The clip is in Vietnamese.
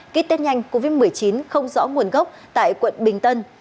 kích tết nhanh covid một mươi chín không rõ nguồn gốc tại quận bình tân